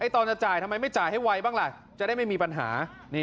ตอนจะจ่ายทำไมไม่จ่ายให้ไวบ้างล่ะจะได้ไม่มีปัญหา